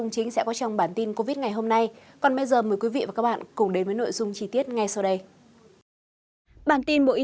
thông tin các ca nhiễm mới